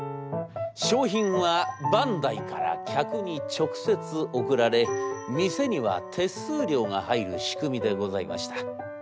商品はバンダイから客に直接送られ店には手数料が入る仕組みでございました。